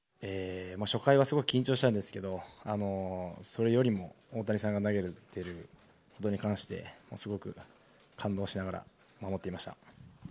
初回は緊張したんですがそれよりも大谷さんが何より打っていることに関してすごく感動しながら守っていました。